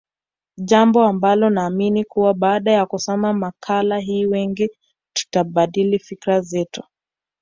Jambo ambalo naamini kuwa baada ya kusoma makala hii wengi tutabadili fikra zetu